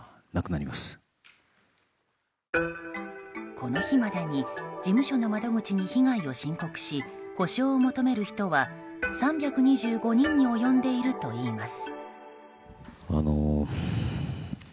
この日までに事務所の窓口に被害を申告し補償を求める人は、３２５人に及んでいるといいます。